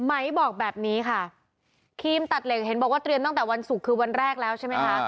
ไหมบอกแบบนี้ค่ะครีมตัดเหล็กเห็นบอกว่าเตรียมตั้งแต่วันศุกร์คือวันแรกแล้วใช่ไหมคะ